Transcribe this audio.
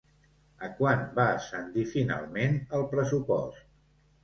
A quant va ascendir finalment el pressupost?